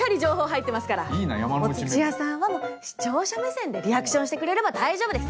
土屋さんはもう視聴者目線でリアクションしてくれれば大丈夫です。